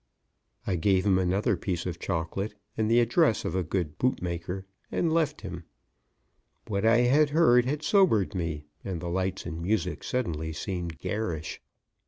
I gave him another piece of chocolate and the address of a good bootmaker and left him. What I had heard had sobered me, and the lights and music suddenly seemed garish.